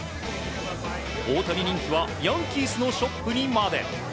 大谷人気はヤンキースのショップにまで。